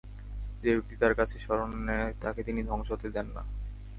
যে ব্যক্তি তার কাছে স্বরণ নেয়, তাকে তিনি ধ্বংস হতে দেন না।